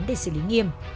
để xử lý nghiêm